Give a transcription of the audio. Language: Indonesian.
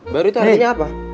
baru itu artinya apa